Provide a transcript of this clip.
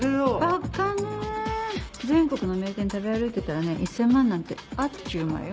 バカねぇ全国の名店食べ歩いてたらね１０００万なんてあっちゅう間よ。